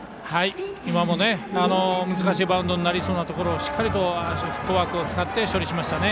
今も、難しいバウンドになりそうなところをしっかりとフットワークを使って処理しましたね。